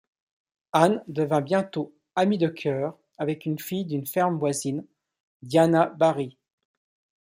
Anne devint bientôt 'amie de cœur' avec une fille d'une ferme voisine, Diana Barry.